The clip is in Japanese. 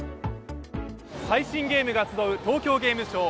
最新ゲームが集う東京ゲームショウ。